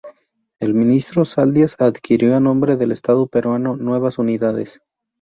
El ministro Saldías adquirió a nombre del estado peruano nuevas unidades.